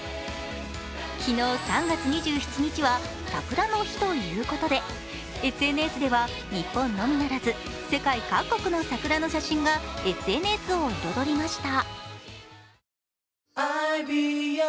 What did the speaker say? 昨日、３月２７日はさくらの日ということでＳＮＳでは、日本のみならず、世界各国の桜の写真がＳＮＳを彩りました。